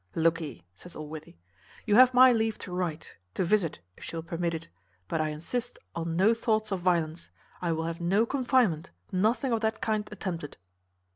"Lookee," says Allworthy, "you have my leave to write, to visit, if she will permit it but I insist on no thoughts of violence. I will have no confinement, nothing of that kind attempted."